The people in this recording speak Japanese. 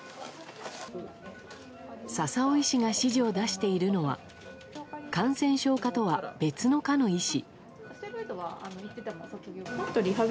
笹尾医師が指示を出しているのは感染症科とは別の科の医師。